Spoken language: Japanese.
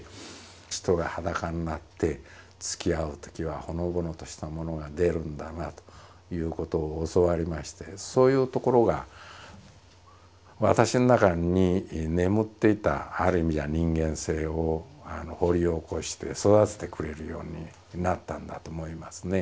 人が裸になってつきあうときはほのぼのしたものが出るんだなあということを教わりましてそういうところが私の中に眠っていたある意味じゃ人間性を掘り起こして育ててくれるようになったんだと思いますね。